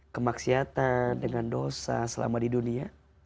kemaksiatan dengan dosa selama di dunia